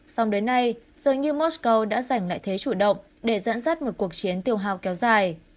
xong đến nay giới như moscow đã giành lại thế chủ động để dẫn dắt một cuộc chiến tiêu hào kéo dài